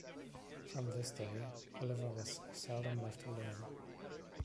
From this day, Oliver was seldom left alone.